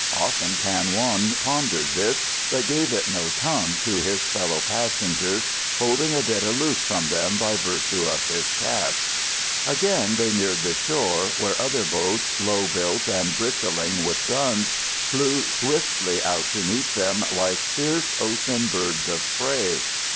Often Kan Wong pondered this, but gave it no tongue to his fellow passengers, holding a bit aloof from them by virtue of his caste. Again they neared the shore, where other boats, low built and bristling with guns, flew swiftly out to meet them like fierce ocean birds of prey.